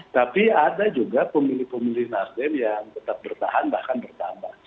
tapi ada juga pemilih pemilih nasdem yang tetap bertahan bahkan bertambah